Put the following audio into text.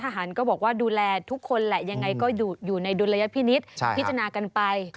ก็บอกว่าดูแลทุกคนแหละยังไงก็อยู่ในดุลยพินิษฐ์พิจารณากันไป